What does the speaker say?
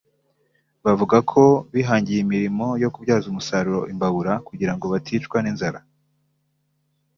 bavuga ko bihangiye imirimo yo kubyaza umusaroro imbabura kugira ngo baticwa n’inzara